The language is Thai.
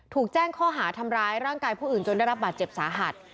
ถูกแจ้งข้อหาทำร้ายร่างกายผู้อื่นจนได้รับบาดเจ็บสาหัส